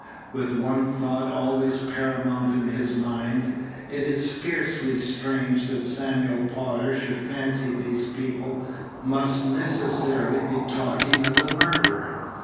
With one thought always paramount in his mind, it is scarcely strange that Samuel Prodder should fancy these people must necessarily be talking of the murder.